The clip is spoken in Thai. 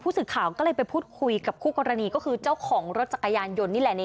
สื่อข่าวก็เลยไปพูดคุยกับคู่กรณีก็คือเจ้าของรถจักรยานยนต์นี่แหละ